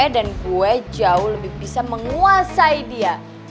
dan gue jauh lebih bisa menguasai dia